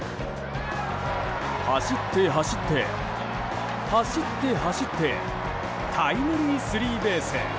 走って走って、走って走ってタイムリースリーベース！